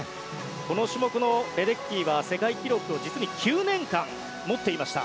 この種目のレデッキーは世界記録、実に９年間持っていました。